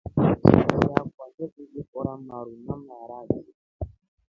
Shokio yakwa nakundi ikoro maru na maraki.